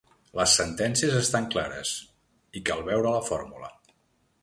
Les sentències estan clares, i cal veure la fórmula.